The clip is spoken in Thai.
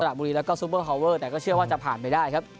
ระบุรีแล้วก็ซูเปอร์ฮอลเวอร์แต่ก็เชื่อว่าจะผ่านไปได้ครับ